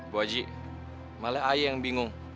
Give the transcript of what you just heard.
bu aji malah ayah yang bingung